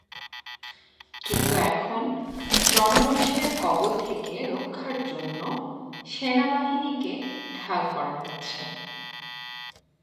কিন্তু এখন জনরোষের কবল থেকে রক্ষার জন্য সেনাবাহিনীকে ঢাল করা হচ্ছে।